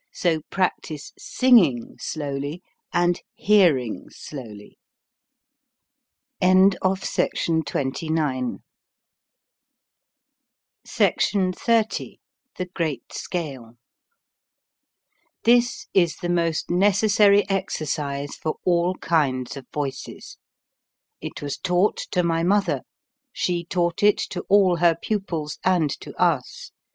So practise singing slowly and hearing slowly. SECTION XXX THE GREAT SCALE THIS is the most necessary exercise for all kinds of voices. It was taught to my mother; she taught it to all her pupils and to us.